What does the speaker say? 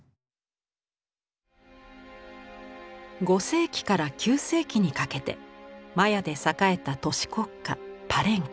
５世紀から９世紀にかけてマヤで栄えた都市国家パレンケ。